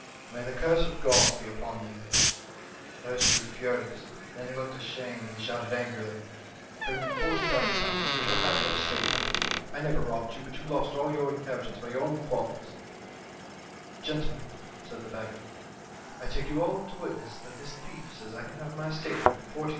May the curse of God be upon you !'" The host grew furious ; then he looked ashamed, and shouted angrily :"' Bring me ^40,000, and you shall have your F 66 The Story of John o' Groats. estate back. I never robbed you, but you lost your inheritance by your own follies.' "'Gentlemen,' said the beggar, 'I take you all to witness that this thief says I can have my estate back for ^40,000.'